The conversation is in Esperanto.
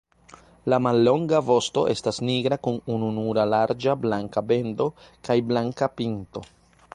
La mallonga vosto estas nigra kun ununura larĝa blanka bendo kaj blanka pinto.